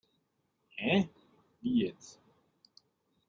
Hä, wie jetzt?